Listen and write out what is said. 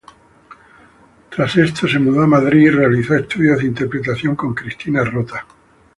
Tras esto se mudó a Madrid y realizó estudios de Interpretación con Cristina Rota.